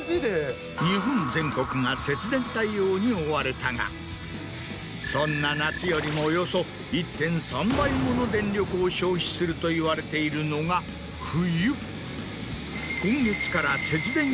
日本全国が節電対応に追われたがそんな夏よりもおよそ１．３倍もの電力を消費するといわれているのが冬。